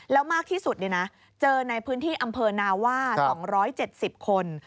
แล้วมากที่สุดเจอในพื้นที่อำเภอนาว่า๒๗๐คน